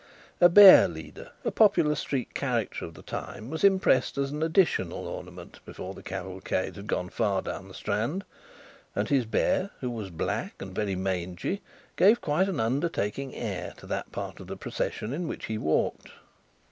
A bear leader, a popular street character of the time, was impressed as an additional ornament, before the cavalcade had gone far down the Strand; and his bear, who was black and very mangy, gave quite an Undertaking air to that part of the procession in which he walked.